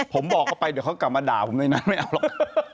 ผมบอกเขาไปเดี๋ยวเขากลับมาด่าผมเลยนะไม่เอาหรอก